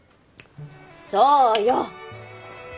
そうよ！